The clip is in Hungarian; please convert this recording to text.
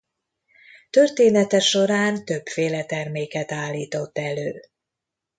Története során többféle terméket állított elő.